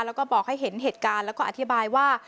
แล้วก็บอกให้เห็นเหตุการณ์แล้วก็อธิบายว่า